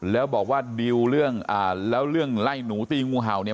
แล้วบอกว่าดิวเรื่องอ่าแล้วเรื่องไล่หนูตีงูเห่าเนี่ย